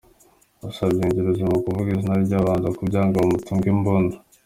Basabye Ngulinzira kuvuga izina rye abanza kubyanga bamutunga imbunda.